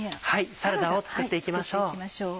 サラダを作って行きましょう。